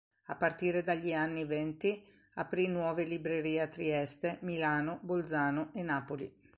A partire dagli anni venti aprì nuove librerie a Trieste, Milano, Bolzano e Napoli.